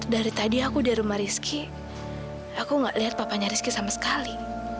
dari tadi aku di rumah rizky aku gak lihat papanya rizky sama sekali